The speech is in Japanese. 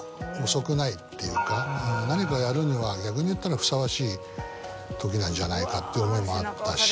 何かやるには逆に言ったらふさわしい時なんじゃないかっていう思いもあったし。